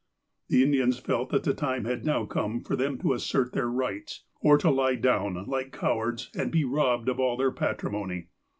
The Indians felt that the time had now come for them to assert their rights, or to lie down, like cowards, and be robbed of all their patrimony.